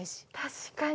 確かに。